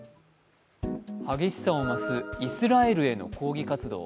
激しさを増すイスラエルへの抗議活動。